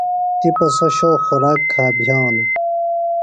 تِپہ سوۡ شو خوراک کھا بِھیانوۡ۔